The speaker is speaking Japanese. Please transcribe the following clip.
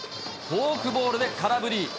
フォークボールで空振り。